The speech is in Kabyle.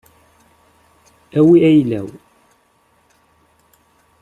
Awi ayla-w.